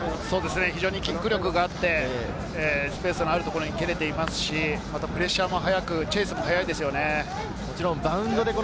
キック力があって、スペースのあるところに蹴られていますし、プレッシャーもチェイスも速いですね。